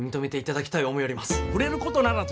触れることならず。